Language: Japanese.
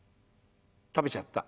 「食べちゃった」。